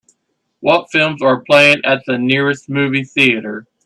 What films are playing at the nearest movie theatre